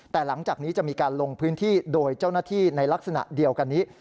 แต่หลังจากนี้จะมีการลงพื้นที่โดยเจ้าหน้าที่ในลักษณะเดียวกันนี้